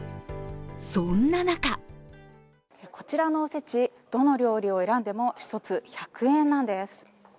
そんな中こちらのお節、どの料理を選んでも１つ１００円なんです。